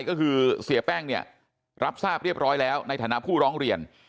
ก็คือเสียแป้งเนี่ยรับทราบเรียบร้อยแล้วในฐานะผู้ร้องเรียน